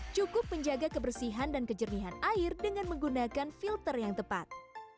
cukup menjaga kebersihan dan kejernihan air dengan menggunakan filter yang tepat